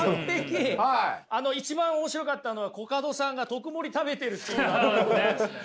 あの一番面白かったのはコカドさんが特盛食べてるっていうアドリブですね。